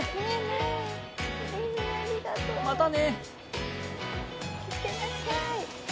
またね。